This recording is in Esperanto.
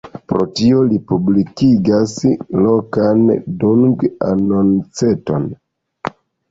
Pro tio, li publikigas lokan dung-anonceton.